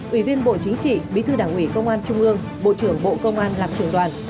ủy viên bộ chính trị bí thư đảng ủy công an trung ương bộ trưởng bộ công an làm trưởng đoàn